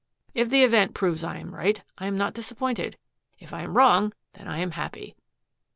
If the event proves I am right, I am not disappointed. If I am wrong, then I am happy."